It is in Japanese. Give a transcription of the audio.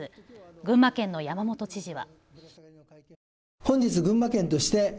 群馬県の山本知事は。